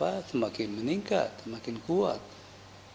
karena dalam politik ini kita harus berhentikan kepentingan partai